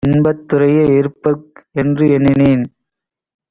இன்பத்துறையில் இருப்பர்ரு என்று எண்ணினேன்.